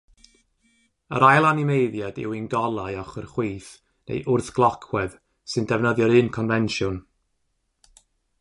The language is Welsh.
Yr ail animeiddiad yw un golau ochr chwith neu wrthglocwedd sy'n defnyddio'r un confensiwn.